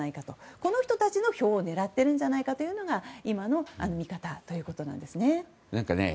この人たちの票を狙っているんじゃないかというのが今の見方ということなんです。